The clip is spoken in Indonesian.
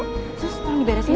terus tolong diberesin ya